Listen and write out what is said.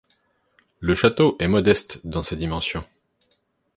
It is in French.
Le château est modeste dans ses dimensions.